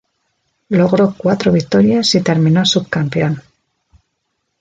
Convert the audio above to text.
Logró cuatro victorias y terminó subcampeón.